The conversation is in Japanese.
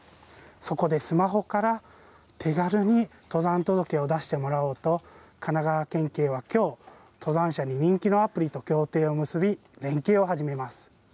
そこでスマホから手軽に登山届を出してもらおうと、神奈川県警はきょう、登山者に人気のアプリと協定を結び、連携を始めます。